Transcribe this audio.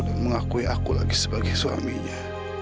dan mengakui aku lagi sebagai suaminya